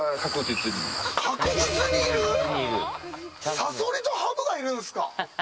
サソリとハブがいるんですか？